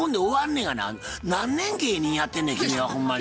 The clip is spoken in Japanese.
何年芸人やってんねん君はほんまに。